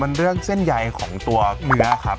มันเรื่องเส้นใยของตัวเนื้อครับ